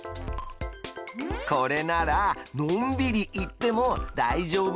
これならのんびり言ってもだいじょうぶそうだね！